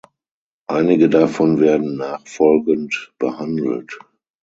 Einige davon werden nachfolgend behandelt.